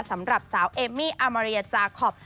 สำหรับสาวเอมมี่อามาเรียจาคอป